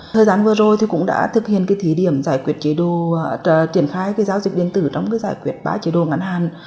thời gian vừa rồi thì cũng đã thực hiện thí điểm giải quyết chế độ triển khai giao dịch điện tử trong giải quyết ba chế độ ngắn hạn